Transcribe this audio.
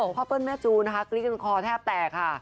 พ่อเปิ้ลแม่จูกริกละคอแทบแตกค่ะ